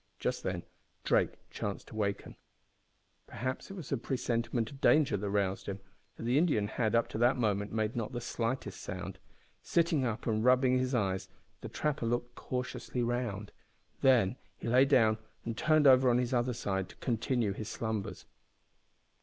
Just then Drake chanced to waken. Perhaps it was a presentiment of danger that roused him, for the Indian had, up to that moment, made not the slightest sound. Sitting up and rubbing his eyes, the trapper looked cautiously round; then he lay down and turned over on his other side to continue his slumbers.